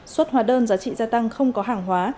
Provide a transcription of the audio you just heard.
xuất hóa đơn giá trị gia tăng không có hàng hóa